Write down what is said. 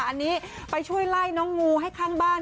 อันนี้ไปช่วยไล่น้องงูให้ข้างบ้าน